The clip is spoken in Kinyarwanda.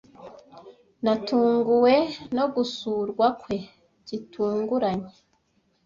Natunguwe no gusurwa kwe gitunguranye.